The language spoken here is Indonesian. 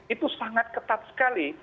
itu sangat ketat sekali